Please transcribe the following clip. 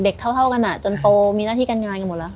เท่ากันจนโตมีหน้าที่การงานกันหมดแล้ว